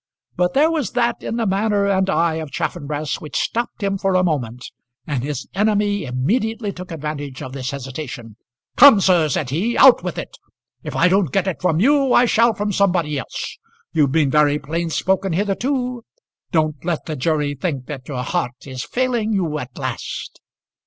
But there was that in the manner and eye of Chaffanbrass which stopped him for a moment, and his enemy immediately took advantage of this hesitation. "Come sir," said he, "out with it. If I don't get it from you, I shall from somebody else. You've been very plain spoken hitherto. Don't let the jury think that your heart is failing you at last."